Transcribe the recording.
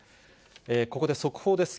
ここで速報です。